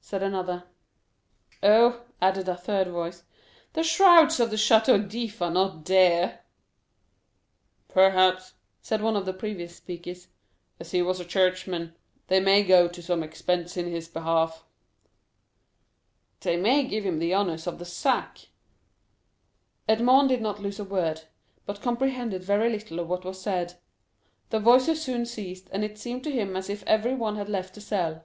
said another. "Oh," added a third voice, "the shrouds of the Château d'If are not dear!" 0257m "Perhaps," said one of the previous speakers, "as he was a churchman, they may go to some expense in his behalf." "They may give him the honors of the sack." Edmond did not lose a word, but comprehended very little of what was said. The voices soon ceased, and it seemed to him as if everyone had left the cell.